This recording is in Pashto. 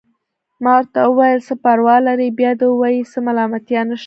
ما ورته وویل: څه پروا لري، بیا دې ووايي، څه ملامتیا نشته.